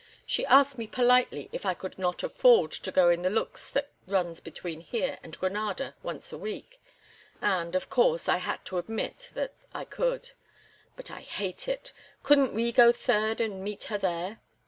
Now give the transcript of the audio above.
She asked me politely if I could not afford to go in the luxe that runs between here and Granada once a week, and, of course, I had to admit that I could. But I hate it. Couldn't we go third and meet her there?"